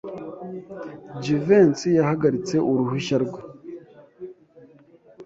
Jivency yahagaritse uruhushya rwe.